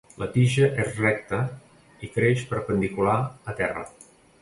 La tija és recta i creix perpendicular a terra.